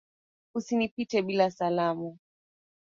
Usinipite bila salamu.